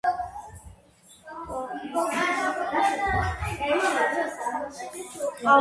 პარმენ ზაქარაიას პირადი არქივი დაცულია საქართველოს ხელნაწერთა ეროვნულ ცენტრში.